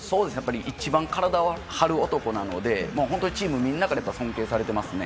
一番体を張る男なので本当にチームみんなから尊敬されていますね。